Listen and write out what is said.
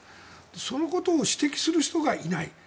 そのことを指摘する人がいない。